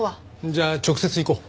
じゃあ直接行こう。